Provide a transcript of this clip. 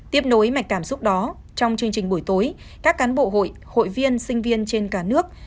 tiếp nối mạch cảm xúc đó trong chương trình buổi tối các cán bộ hội hội viên sinh viên trên cả nước